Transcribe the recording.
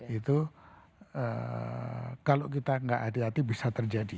itu kalau kita tidak hati hati bisa terjadi